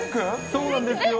そうなんですよ。